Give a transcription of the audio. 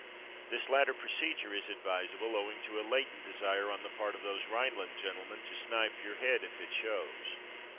This latter procedure is advisable owing to a latent desire on the part of those Rhineland gentlemen to snipe your head if it shows.